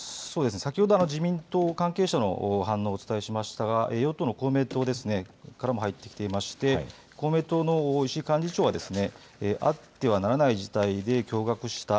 先ほど自民党関係者の反応をお伝えしましたが与党の公明党ですねからも入ってきていまして公明党の幹事長はあってはならない事態で驚がくした。